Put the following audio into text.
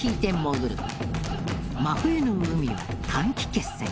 真冬の海は短期決戦。